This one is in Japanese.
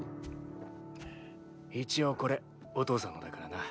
一応これお父さんのだからな。